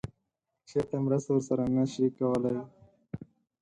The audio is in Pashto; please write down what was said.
که چیرته مرسته ورسره نه شو کولی